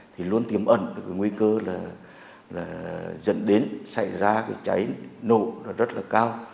thì luôn tiêm ẩn được nguy cơ là dẫn đến xảy ra cháy nổ rất là cao